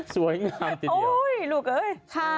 สวยงามสุดยอดโอ้ยลูกเอ้ย